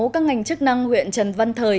các ngành chức năng huyện trần văn thời